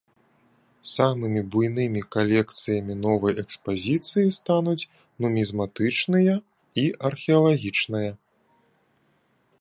Самымі буйнымі калекцыямі новай экспазіцыі стануць нумізматычная і археалагічная.